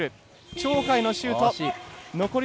鳥海のシュート。